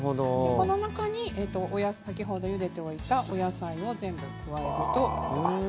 この中に先ほどゆでておいたお野菜を加えていきます。